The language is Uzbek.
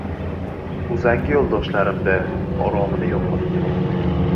Uzangi yo‘ldoshlarim-da oromini yo‘qotdi.